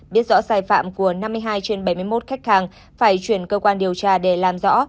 biết rõ sai phạm của năm mươi hai trên bảy mươi một khách hàng phải chuyển cơ quan điều tra để làm rõ